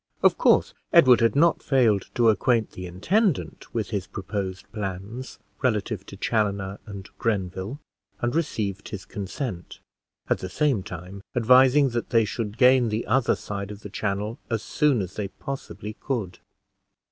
Of course, Edward had not failed to acquaint the intendant with his proposed plans relative to Chaloner and Grenville, and received his consent; at the same time advising that they should gain the other side of the Channel as soon as they possibly could.